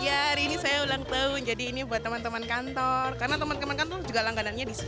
iya hari ini saya ulang tahun jadi ini buat teman teman kantor karena teman teman kan tuh juga langganannya di sini